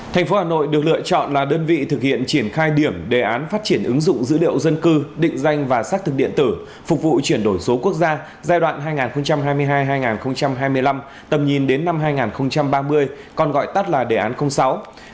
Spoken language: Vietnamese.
thành phố hà nội được lựa chọn là đơn vị thực hiện triển khai điểm đề án phát triển ứng dụng dữ liệu dân cư định danh và xác thực điện tử phục vụ chuyển đổi số quốc gia giai đoạn hai nghìn hai mươi hai hai nghìn hai mươi năm tầm nhìn đến năm hai nghìn hai mươi